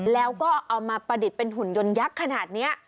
แล้วก็เอามาประดิษฐ์เป็นหุ่นยนต์ยักษ์ขนาดนี้